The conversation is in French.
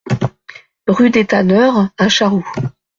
Rue des Tanneurs à Charroux